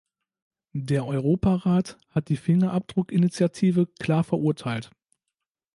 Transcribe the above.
Der Europarat hat die Fingerabdruck-Initiative klar verurteilt.